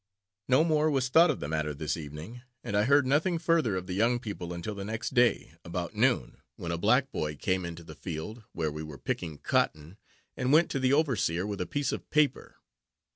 No more was thought of the matter this evening, and I heard nothing further of the young people until the next day, about noon, when a black boy came into the field, where we were picking cotton, and went to the overseer with a piece of paper.